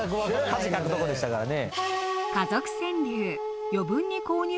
・恥かくとこでしたからね。